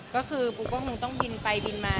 ก็คือปูก็คงต้องบินไปบินมา